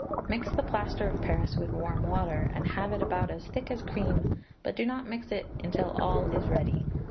Mix the plaster of paris with warm water, and have it about as thick as cream, but do not mix it until all is ready.